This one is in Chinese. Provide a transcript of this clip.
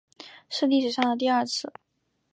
是历史上的第二次